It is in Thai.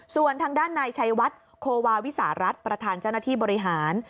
ส่วนทางด้านนายชัยวัดโควาวิสารัฐประธานเจ้าหน้าที่บริหาร